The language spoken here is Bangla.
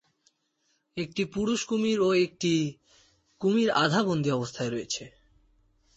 একটি পুরুষ কুমির ও একটি কুমির আধা-বন্দী অবস্থায় রয়েছে।